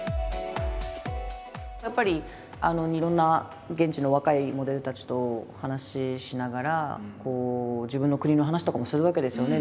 やっぱりいろんな現地の若いモデルたちと話しながら自分の国の話とかもするわけですよね